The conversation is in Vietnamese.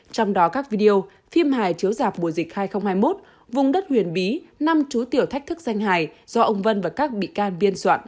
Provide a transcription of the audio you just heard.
trong đó các video phim hài chiếu dạp mùa dịch hai nghìn hai mươi một vùng đất huyền bí năm chú tiểu thách thức danh hài do ông vân và các bị can biên soạn